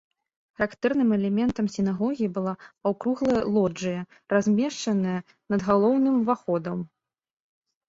Характэрным элементам сінагогі была паўкруглая лоджыя, размешаная над галоўным уваходам.